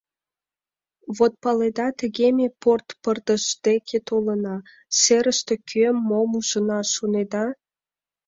Вот, паледа, тыге ме порт пырдыж деке толына, серыште кӧм, мом ужына, шонеда?